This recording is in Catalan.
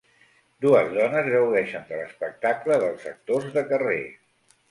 Dues dones gaudeixen de l'espectacle dels actors de carrer.